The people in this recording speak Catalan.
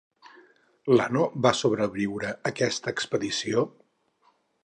Lano va sobreviure aquesta expedició?